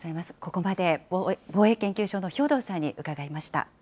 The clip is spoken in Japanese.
ここまで防衛研究所の兵頭さんに伺いました。